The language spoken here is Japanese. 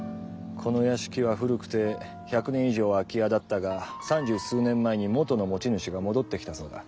この屋敷は古くて１００年以上空き家だったが三十数年前に元の持ち主が戻ってきたそうだ。